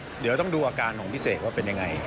เดี๋ยวต้องดูอาการของพี่เสกว่าเป็นยังไง